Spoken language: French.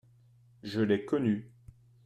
je l'ai connue.